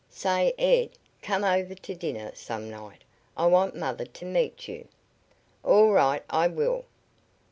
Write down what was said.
Say, Ed, come over to dinner some night. I want mother to meet you." "All right, I will."